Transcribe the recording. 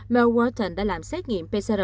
mel wharton đã làm xét nghiệm pcr